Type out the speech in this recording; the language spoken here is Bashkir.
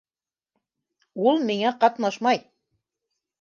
Ул миңә ҡатнашмай...